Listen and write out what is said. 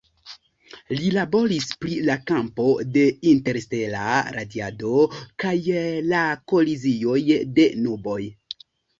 Li laboris pri la kampo de interstela radiado kaj la kolizioj de nuboj.